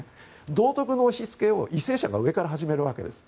道徳の押しつけを為政者が上から始めるわけです。